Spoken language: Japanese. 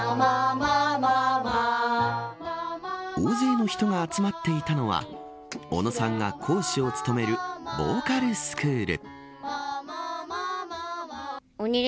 大勢の人が集まっていたのは小野さんが講師を務めるボーカルスクール。